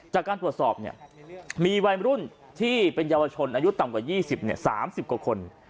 จากการตรวจสอบเนี่ยมีวัยรุ่นที่เป็นเยาวชนอายุต่ำกว่า๒๐๓๐กว่าคน